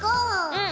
うん。